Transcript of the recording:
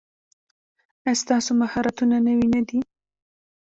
ایا ستاسو مهارتونه نوي نه دي؟